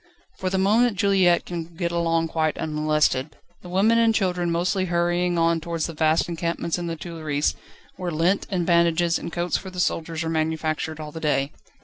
For the moment Juliette can get along quite unmolested: the women and children mostly hurrying on towards the vast encampments in the Tuileries, where lint, and bandages, and coats for the soldiers are manufactured all the day.